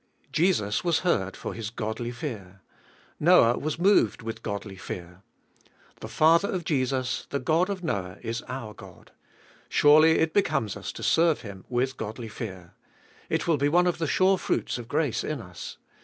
Jesus was heard for His godly fear. Noah was moved with godly fear. The Father of Jesus, the God of Noah, is our God ; surely it becomes us to serve Him with godly fear. It will be one of the sure fruits of grace in us.